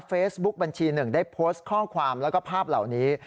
เฟซบุ๊กบัญชีหนึ่งได้โพสต์ข้อความแล้วก็ภาพเหล่านี้